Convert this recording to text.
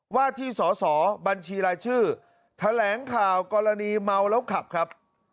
ว่าที่สอสอบัญชีรายชื่อแถลงข่าวกรณีเมาแล้วขับครับ